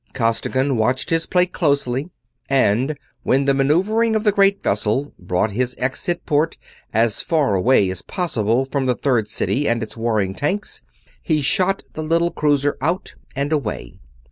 Costigan watched his plate closely; and, when the maneuvering of the great vessel brought his exit port as far away as possible from the Third City and the warring tanks, he shot the little cruiser out and away.